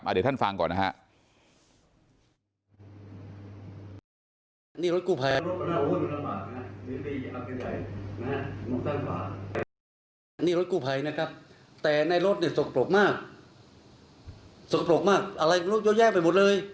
อ่าเดี๋ยวท่านฟังก่อนนะครับ